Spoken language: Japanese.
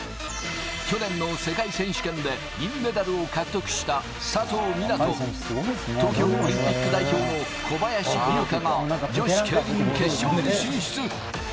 去年の世界選手権で銀メダルを獲得した佐藤水菜、東京オリンピック代表の小林優香が女子ケイリン決勝に進出。